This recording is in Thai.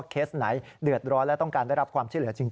เคสไหนเดือดร้อนและต้องการได้รับความช่วยเหลือจริง